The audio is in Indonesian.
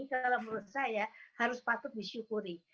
kalau menurut saya harus patut disyukuri